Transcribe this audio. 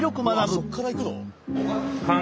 そこからいくの！？